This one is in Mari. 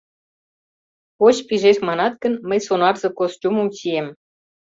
Поч пижеш манат гын, мый сонарзе костюмым чием.